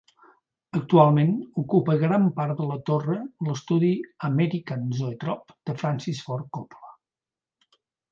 Actualment, ocupa gran part de la torre l'estudi American Zoetrope de Francis Ford Coppola.